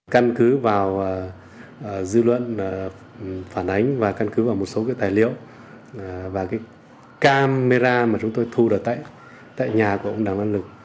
căn cứ vào dư luận phản ánh và căn cứ vào một số tài liệu và camera mà chúng tôi thu được tại nhà của ông đàm văn lực